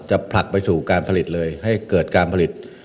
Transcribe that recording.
ผลักไปสู่การผลิตเลยให้เกิดการผลิต